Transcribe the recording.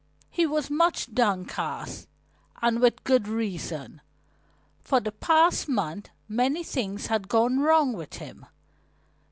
He was much downcast and with good reason. For the past month many things had gone wrong with him.